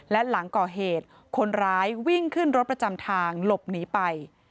และหลังก่อเหตุคนร้ายวิ่งขึ้นรถประจำทางหลบหนีไป